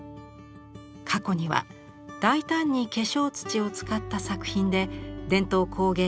過去には大胆に化粧土を使った作品で伝統工芸展で入賞しました。